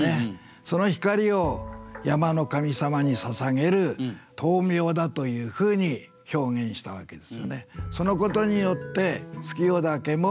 その光を山の神様に捧げる灯明だというふうに表現したわけですよね。